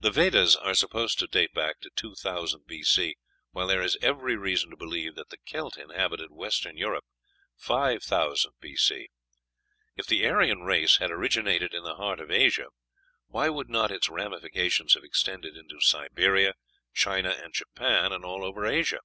The Vedas are supposed to date back to 2000 B.C., while there is every reason to believe that the Celt inhabited Western Europe 5000 B.C. If the Aryan race had originated in the heart of Asia, why would not its ramifications have extended into Siberia, China, and Japan, and all over Asia?